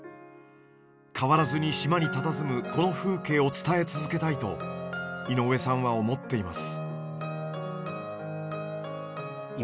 変わらずに島にたたずむこの風景を伝え続けたいと井上さんは思っています。